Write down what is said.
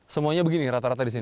semuanya begini rata rata di sini